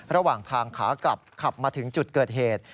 ระหว่างทางขากลับขับมาถึงจุดเกิดเหตุ